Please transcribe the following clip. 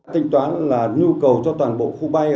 tính toán là nhu cầu cho toàn bộ khu bay